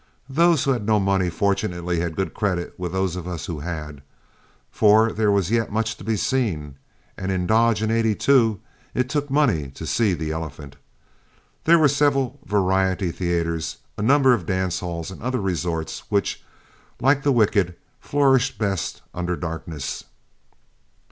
Those who had no money fortunately had good credit with those of us who had, for there was yet much to be seen, and in Dodge in '82 it took money to see the elephant. There were several variety theatres, a number of dance halls, and other resorts which, like the wicked, flourish best under darkness.